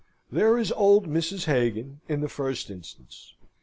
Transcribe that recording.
There is old Mrs. Hagan, in the first instance.